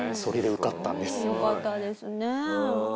よかったですね。